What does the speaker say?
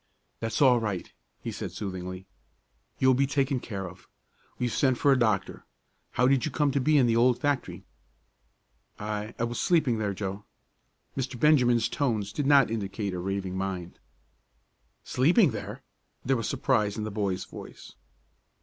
"That's all right," he said soothingly. "You'll be taken care of. We've sent for a doctor. How did you come to be in the old factory?" "I I was sleeping there, Joe." Mr. Benjamin's tones did not indicate a raving mind. "Sleeping there?" There was surprise in the boy's voice.